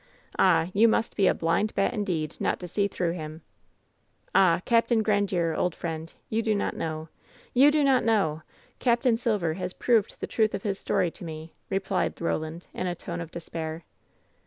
Ah ! you must be a blind bat, indeed, not to see through him !" "Ah ! Capt. Grandiere, old friend, you do not know ! You do not know ! Capt. Silver has proved the truth of his story to me," replied Eoland, in a tone of despair.